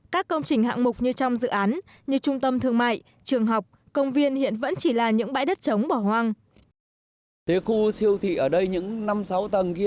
các công trình hạng mục như trong dự án như trung tâm thương mại trường học công viên hiện vẫn chỉ là những bãi đất trống bỏ hoang